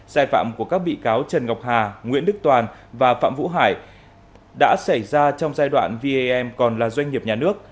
sai phạm của các bị cáo trần ngọc hà nguyễn đức toàn và phạm vũ hải đã xảy ra trong giai đoạn v e a m còn là doanh nghiệp nhà nước